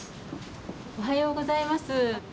おはようございます。